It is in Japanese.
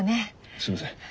すいません。